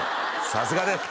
さすがです！